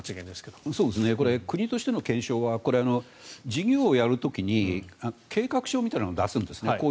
これ、国としての検証は事業をやる時に計画書みたいなものを出すんですね。